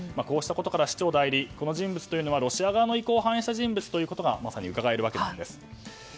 こうしたことから市長代理、この人物というのはロシア側の意向を反映した人物ということがうかがえるわけです。